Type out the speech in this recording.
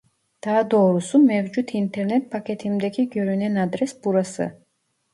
Daha doğrusu mevcut internet paketimdeki görünen adres burası